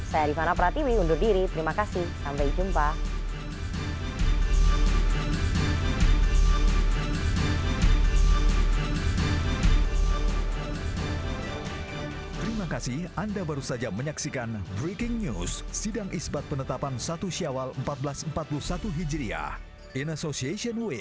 saya ariefana pratimi undur diri terima kasih sampai jumpa